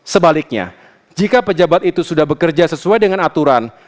sebaliknya jika pejabat itu sudah bekerja sesuai dengan aturan